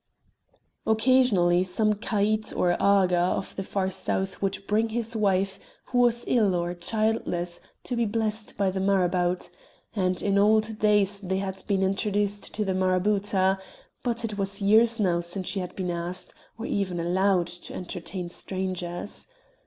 Occasionally some caïd or agha of the far south would bring his wife who was ill or childless to be blessed by the marabout; and in old days they had been introduced to the marabouta, but it was years now since she had been asked, or even allowed, to entertain strangers.